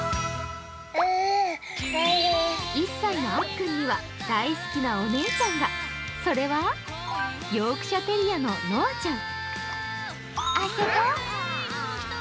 １歳のあっくんには大好きなお姉ちゃんが、それはヨークシャテリアのよんちゃん。